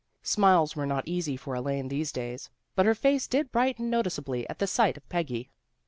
Smiles were not easy for Elaine these days, but her face did brighten noticeably at the sight of Peggy.